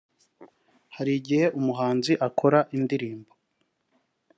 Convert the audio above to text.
Hari igihe umuhanzi akora indirimbo